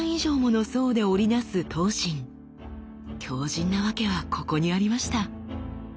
強じんなワケはここにありました。